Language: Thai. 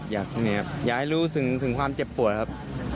อยากให้รู้ถึงความเจ็บปวดครับ